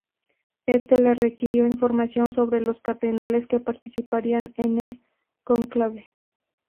Este le requirió información sobre los cardenales que participarían en el cónclave.